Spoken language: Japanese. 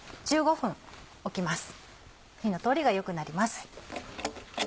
火の通りが良くなります。